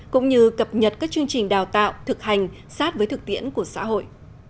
cũng như cập nhật các chương trình đào tạo thực hành sát với thực tiễn của xã hội